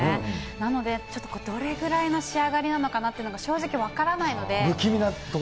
なので、ちょっとどれぐらいの仕上がりなのかなっていうのが正直、分から不気味なところなんですね。